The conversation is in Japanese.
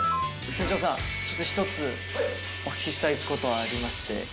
店長さん１つお聞きしたいことありまして。